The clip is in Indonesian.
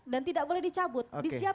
dan tidak boleh dicabut